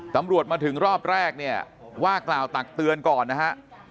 ตำรวจมาถึงรอบแรกเนี่ยว่ากล่าวตักเตือนก่อนนะฮะ